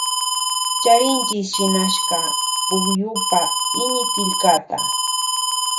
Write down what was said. Charinchi shinashka pukyupa iñikillkata.